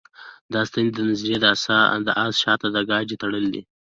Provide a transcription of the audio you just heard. دا سنتي نظریه د اس شاته د ګاډۍ تړل دي